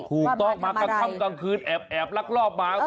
ถูกต้องมากลางค่ำกลางคืนแอบลักลอบมา